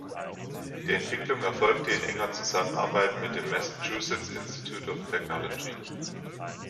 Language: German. Die Entwicklung erfolgte in enger Zusammenarbeit mit dem Massachusetts Institute of Technology.